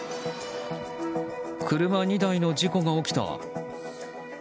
車２台の事故が起きた。